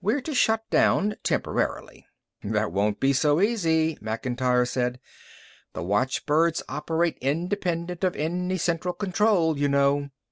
"We're to shut down temporarily." "That won't be so easy," Macintyre said. "The watchbirds operate independent of any central control, you know.